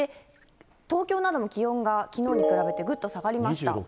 東京なども気温がきのうに比べてぐっと下がりました。